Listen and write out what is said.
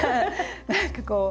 何かこう。